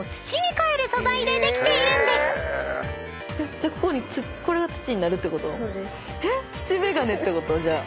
じゃあこれが土になるってこと？